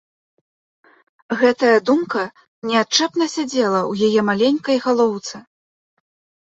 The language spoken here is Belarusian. Гэтая думка неадчэпна сядзела ў яе маленькай галоўцы.